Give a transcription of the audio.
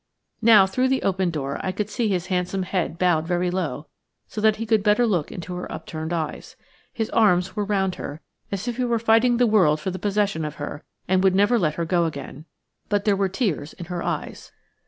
Now, through the open door, I could see his handsome head bowed very low, so that he could better look into her upturned eyes. His arms were round her, as if he were fighting the world for the possession of her, and would never let her go again. But there were tears in her eyes.